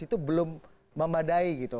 itu belum memadai gitu